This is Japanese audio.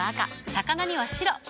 魚には白。